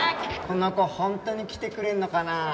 この子ホントに来てくれるのかなあ？